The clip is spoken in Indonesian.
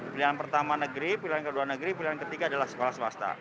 pilihan pertama negeri pilihan kedua negeri pilihan ketiga adalah sekolah swasta